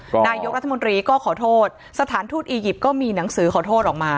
นายกรัฐมนตรีก็ขอโทษสถานทูตอียิปต์ก็มีหนังสือขอโทษออกมา